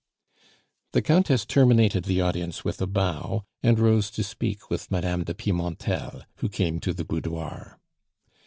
The Countess terminated the audience with a bow, and rose to speak with Mme. de Pimentel, who came to the boudoir.